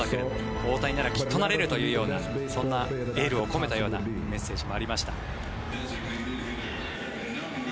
大谷ならきっとなれるというようなそんなエールを込めたようなメッセージもありました。